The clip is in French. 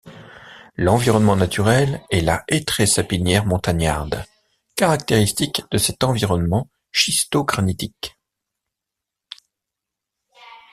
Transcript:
L'environnement naturel est la hétraie-sapinière montagnarde, caractéristique de cet environnement schisto-granitique.